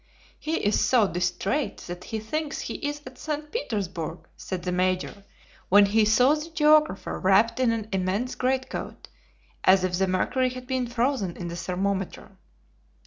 "He is so DISTRAIT that he thinks he is at St. Petersburg," said the Major, when he saw the geographer wrapped in an immense great coat, as if the mercury had been frozen in the thermometer.